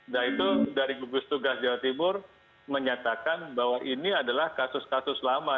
dan itu dari keputusan tugas jawa timur menyatakan bahwa ini adalah kasus kasus lama